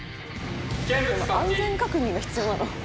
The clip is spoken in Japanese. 「安全確認が必要なの？」